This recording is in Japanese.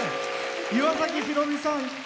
岩崎宏美さん。